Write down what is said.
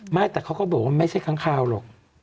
ไม่แต่เขาก็บอกว่าไม่ใช่ค้างคาวหรอก